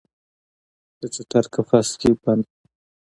د ټټر قفس کې بند کړي